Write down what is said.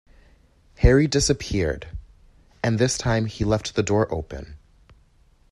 Harry disappeared; and this time he left the door open.